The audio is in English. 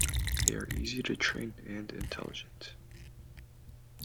They are easy to train and intelligent.